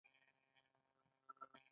هغې وویل محبت یې د سرود په څېر ژور دی.